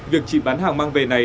việc chị bán hàng mang về này